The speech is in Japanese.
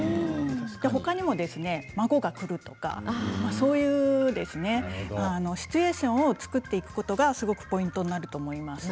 他にも孫が来るとかシチュエーションを作っていくことがすごくポイントになっていくと思います。